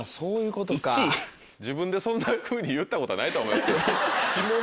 自分でそんなふうに言ったことはないと思いますけど「下ネタ芸」。